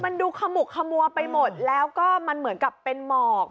มันดูขมุกขมัวไปหมดแล้วก็มันเหมือนกับเป็นหมอก